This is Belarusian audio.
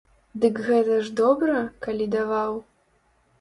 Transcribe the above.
Дык гэта ж добра, калі даваў?